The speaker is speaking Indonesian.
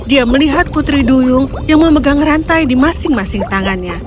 dia melihat putri duyung yang memegang rantai di masing masing tangannya